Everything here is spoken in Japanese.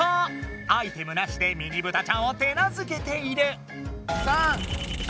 アイテムなしでミニブタちゃんを手なずけている！